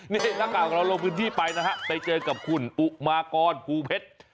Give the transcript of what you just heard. นี่นักข่าวของเราลงพื้นที่ไปนะฮะไปเจอกับคุณอุมากรภูเพชร